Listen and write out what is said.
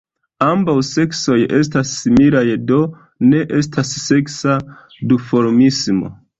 Ambaŭ seksoj estas similaj, do ne estas seksa duformismo.